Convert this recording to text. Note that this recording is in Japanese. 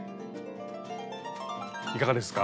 いかがですか？